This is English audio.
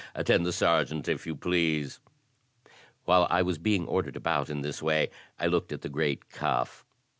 Attend the Sergeant, if you please!" While I was being ordered about in this way, I looked at the great Cuff.